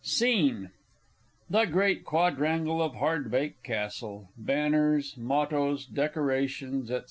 _ SCENE _The Great Quadrangle of Hardbake Castle; banners, mottoes, decorations, &c.